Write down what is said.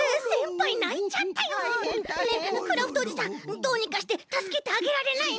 たいへんたいへん。ねえクラフトおじさんどうにかしてたすけてあげられないの？